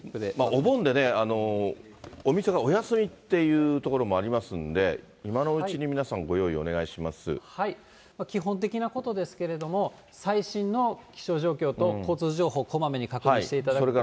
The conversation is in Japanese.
お盆でね、お店がお休みというところもありますんで、今のうちに皆さん、基本的なことですけれども、最新の気象状況と交通情報、こまめに確認していただくということと。